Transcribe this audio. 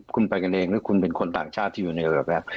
คุณไปกันเองหรือคุณเป็นคนต่างชาติที่อยู่ในระดับแบบ